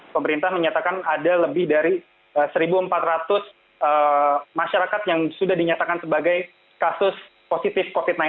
pemerintah menyatakan ada lebih dari satu empat ratus masyarakat yang sudah dinyatakan sebagai kasus positif covid sembilan belas